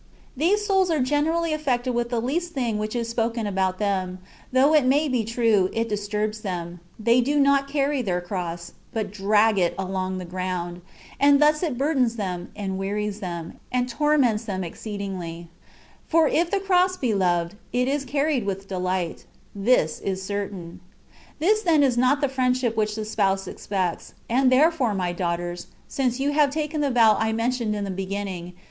These souls are generally affected with the least thing which is spoken about them; though it may be true, it disturbs them : they do not carry their cross, but drag it along the ground, and thus it burdens them, and wearies them, and torments them exceedingly : for if the cross be loved, it is carried with delight ; this is certain. This then is not the Mendship which the Spouse expects; and therefore, my daus^hters (since you have taken the vow I men tioned in the beginnmg).